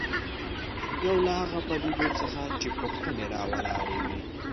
یو له هغو پدیدو څخه چې پوښتنې راولاړوي.